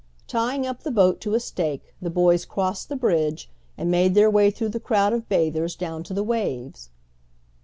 Tying up the boat to a stake, the boys crossed the bridge, and made their way through the crowd of bathers down to the waves.